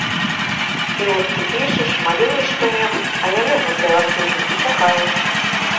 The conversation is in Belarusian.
І от ты пішаш, малюеш што-небудзь, а яны, гэтыя лапцюжнікі, чакаюць.